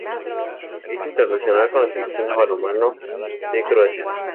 Es internacional con la Selección de balonmano de Croacia.